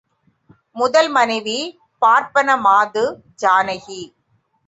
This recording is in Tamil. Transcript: முதல் மனைவி பார்ப்பன மாது, ஜானகி.